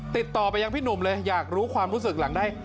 ติดต่อไปยังพี่หนุ่มเลยอยากรู้ความรู้สึกหลังได้